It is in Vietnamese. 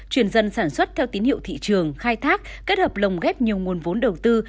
chuyển dân sản xuất theo tín hiệu thị trường khai thác kết hợp lồng ghép nhiều nguồn vốn đầu tư